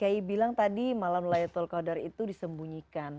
kiai bilang tadi malam laylatul qadar itu disembunyikan